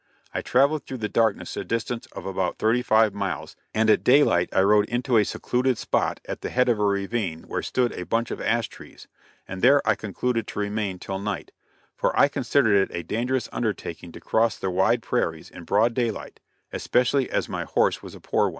I traveled through the darkness a distance of about thirty five miles, and at daylight I rode into a secluded spot at the head of a ravine where stood a bunch of ash trees, and there I concluded to remain till night; for I considered it a dangerous undertaking to cross the wide prairies in broad daylight especially as my horse was a poor one.